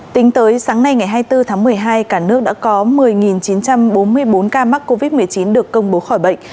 tính tới sáng nay ngày hai mươi bốn tháng một mươi hai cả nước đã có một mươi chín trăm bốn mươi bốn ca mắc covid một mươi chín được công bố khỏi bệnh